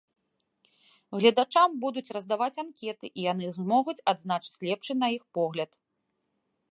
Гледачам будуць раздаваць анкеты, і яны змогуць адзначыць лепшы на іх погляд.